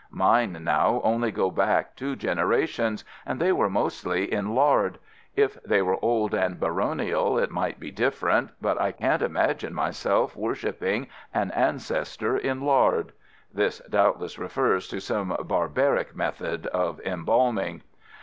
Mine, now, only go back two generations, and they were mostly in lard. If they were old and baronial it might be different, but I can't imagine myself worshipping an ancestor in lard." (This doubtless refers to some barbaric method of embalming.)